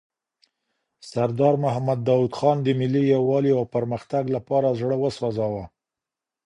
سردار محمد داود خان د ملي یووالي او پرمختګ لپاره زړه وسوزاوه.